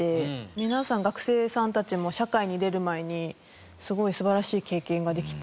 皆さん学生さんたちも社会に出る前にすごい素晴らしい経験ができて。